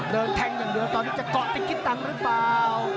เดินแทงอย่างเดียวตอนนี้จะเกาะติดคิดตังค์หรือเปล่า